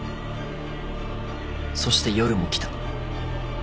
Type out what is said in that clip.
そして夜も来た。